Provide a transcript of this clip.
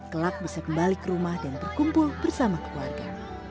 kelak bisa kembali ke rumah dan berkumpul bersama keluarga